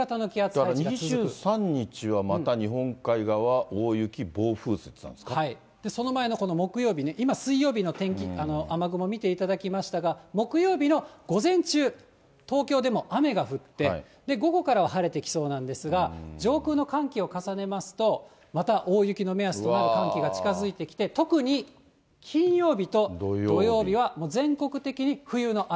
だから２３日は、また日本海側は大雪、その前のこの木曜日ね、今、水曜日の雨雲を見ていただきましたが、木曜日の午前中、東京でも雨が降って、午後からは晴れてきそうなんですが、上空の寒気を重ねますと、また大雪の目安となる寒気が近づいてきて、特に金曜日と土曜日は、もう全国的に冬の嵐。